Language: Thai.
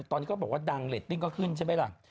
ตอนนี้ก็บอกว่าดังเรตติ้งก็ขึ้นใช่ไหมล่ะ